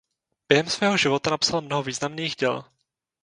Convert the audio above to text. Během svého života napsal mnoho významných děl.